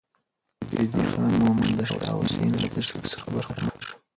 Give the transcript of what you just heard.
ريدی خان مومند د شاه حسين له تشويق څخه برخمن شو.